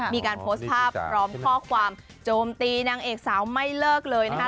มีการโพสต์ภาพพร้อมข้อความโจมตีนางเอกสาวไม่เลิกเลยนะคะ